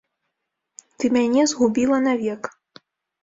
Ты мяне згубіла навек.